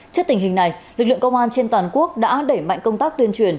trước tình hình này lực lượng công an trên toàn quốc đã đẩy mạnh công tác tuyên truyền